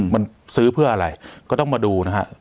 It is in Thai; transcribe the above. มันซื้อเพื่ออะไรก็ต้องมาดูนะฮะ